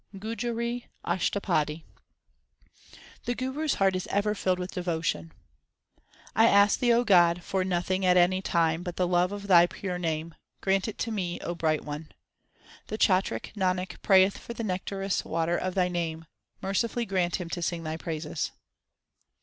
GUJARI ASHTAPADI The Guru s heart is ever filled with devotion : 1 ask Thee, O God, for nothing at any time l but the love of Thy pure name ; grant it to me, O Bright One. The chatrik Nanak prayeth for the nectareous water of Thy name ; mercifully grant him to sing Thy praises.